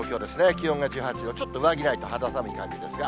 気温が１８度、ちょっと上着ないと肌寒い感じですが。